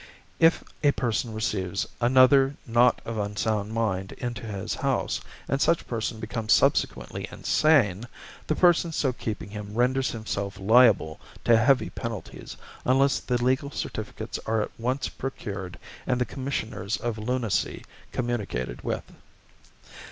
If a person receives another not of unsound mind into his house, and such person becomes subsequently insane, the person so keeping him renders himself liable to heavy penalties, unless the legal certificates are at once procured and the Commissioners of Lunacy communicated with.